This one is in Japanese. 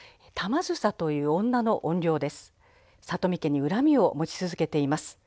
里見家に恨みを持ち続けています。